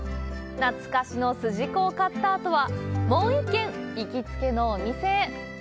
懐かしの筋子を買ったあとはもう一軒、行きつけのお店へ。